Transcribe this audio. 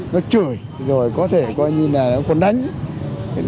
nó chửi rồi có thể coi như là nó có đánh